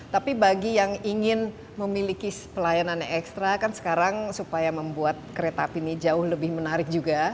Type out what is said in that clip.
tapi bagi yang ingin memiliki pelayanan yang ekstra kan sekarang supaya membuat kereta api ini jauh lebih menarik juga